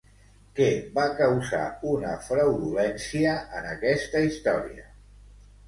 Què va causar una fraudulència en aquesta història?